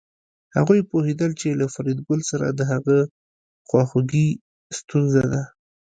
هغوی پوهېدل چې له فریدګل سره د هغه خواخوږي ستونزه ده